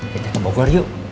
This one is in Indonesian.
kita ke bogor yuk